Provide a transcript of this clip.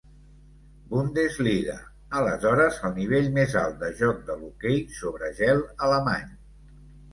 Bundesliga, aleshores el nivell més alt de joc de l'hoquei sobre gel alemany.